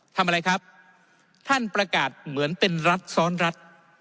ทำอะไรครับท่านประกาศเหมือนเป็นรัฐซ้อนรัฐ